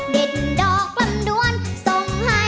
เด็ดดอกกลำดำ